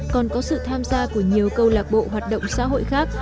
còn có sự tham gia của nhiều câu lạc bộ hoạt động xã hội khác